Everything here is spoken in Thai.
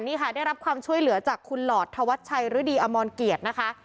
นี่ค่ะได้รับความช่วยเหลือจากคุณหลอดธวัชชัยฤดีอมรเกียรตินะคะ